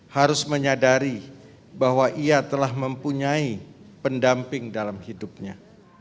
harus menyadari bahwa ia telah mempunyai pendamping dalam hidupnya